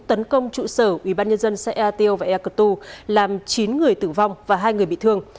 tấn công trụ sở ủy ban nhân dân xã ea tiêu và ea cơ tu làm chín người tử vong và hai người bị thương